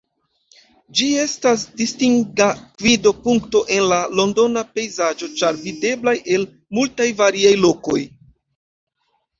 Ĝi estas distinga gvido-punkto en la londona pejzaĝo, ĉar videbla el multaj variaj lokoj.